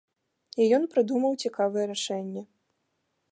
І ён прыдумаў цікавае рашэнне.